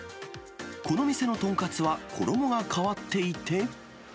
この店の豚カツは、衣が変わっていて。